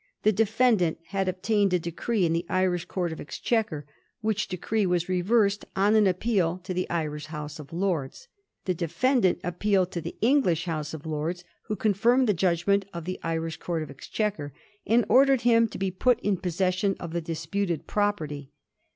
The defendant had obtained a decree in the Irish Court of Exchequer, which decree was reversed on an appeal to the Irish House of Lords. The defendant appealed to the English House of Lords, who confirmed the judgment of the Irish Court of Exchequer, and ordered him to be put in possession of the disputed property.